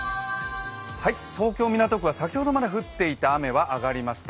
東京・港区は先ほどまで降っていた雨はあがりました。